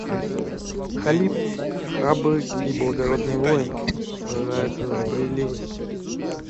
Халид, храбрый и благородный воин, сражается за справедливость.